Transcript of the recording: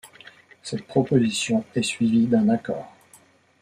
Cette proposition est suivie d'un accord.